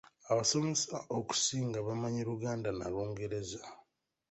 Abasomesa okusinga bamanyi Luganda na Lungereza.